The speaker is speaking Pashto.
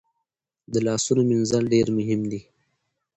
د لاسونو مینځل ډیر مهم دي۔